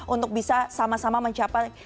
untuk bisa sama sama mencapai